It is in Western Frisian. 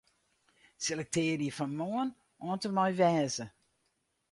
Selektearje fan 'Moarn' oant en mei 'wêze'.